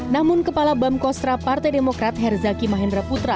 namun kepala bam kostra partai demokrat herzaki mahendra putra